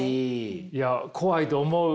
いや怖いと思う。